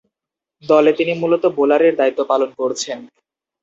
দলে তিনি মূলতঃ বোলারের দায়িত্ব পালন করছেন।